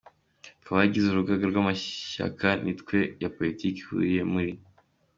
Twe abagize Urugaga rw’amashyaka n’imitwe ya politiki, ihuriye muri